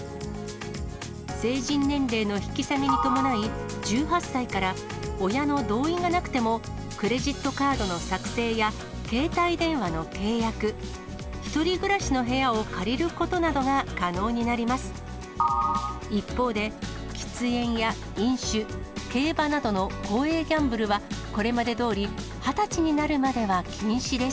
成人年齢の引き下げに伴い、１８歳から親の同意がなくても、クレジットカードの作成や、携帯電話の契約、１人暮らしの部屋を借りることなどが可能になります。